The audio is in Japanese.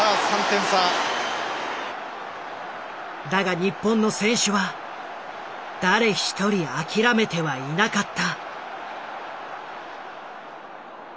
だが日本の選手は誰一人諦めてはいなかった。